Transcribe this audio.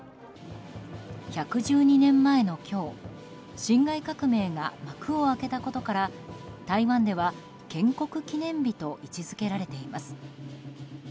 １１２年前の今日辛亥革命が幕を開けたことから台湾では建国記念日と位置付けられています。